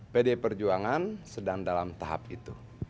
pdi perjuangan sedang dalam tahap itu